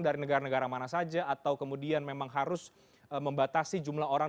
dari negara negara mana saja atau kemudian memang harus membatasi jumlah orang